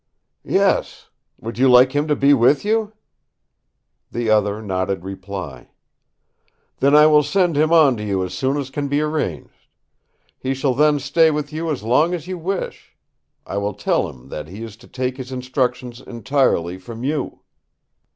"Yes! Would you like him to be with you?" The other nodded reply. "Then I will send him on to you as soon as can be arranged. He shall then stay with you as long as you wish. I will tell him that he is to take his instructions entirely from you."